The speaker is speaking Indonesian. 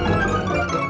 gak ada apa apa